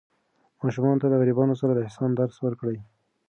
ماشومانو ته د غریبانو سره د احسان درس ورکړئ.